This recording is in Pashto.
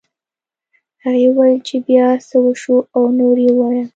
هغې وویل چې بيا څه وشول او نور یې ووایه